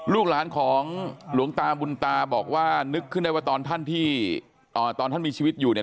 ลูกหลานของหลวงตาบุญตาบอกว่านึกขึ้นได้ว่าตอนท่านที่ตอนท่านมีชีวิตอยู่เนี่ย